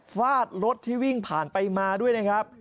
ฟาดรถที่วิ่งผ่านไปมาด้วยนะครับ